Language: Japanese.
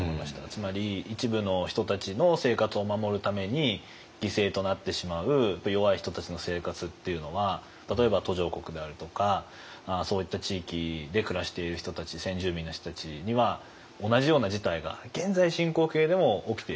つまり一部の人たちの生活を守るために犠牲となってしまう弱い人たちの生活っていうのは例えば途上国であるとかそういった地域で暮らしている人たち先住民の人たちには同じような事態が現在進行形でも起きている。